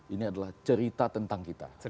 ini adalah cerita tentang kita